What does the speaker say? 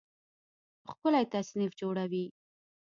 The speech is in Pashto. ښکلی تصنیف جوړوي